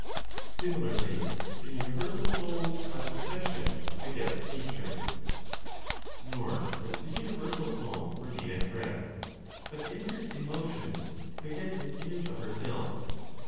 SIMILARLY THE UNIVERSAL SOUL, BY PROCESSION, BEGETS NATURE. Nor does the universal Soul remain at rest, but enters in motion to beget an image of herself.